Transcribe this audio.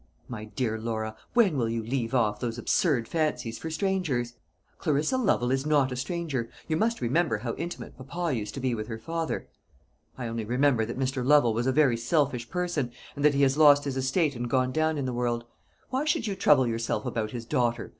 "My dear Laura, when will you leave off those absurd fancies for strangers?" "Clarissa Lovel is not a stranger; you must remember how intimate papa used to be with her father." "I only remember that Mr. Lovel was a very selfish person, and that he has lost his estate and gone down in the world. Why should you trouble yourself about his daughter?